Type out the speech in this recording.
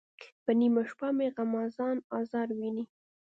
پر نیمه شپه مې غمازان آزار ویني.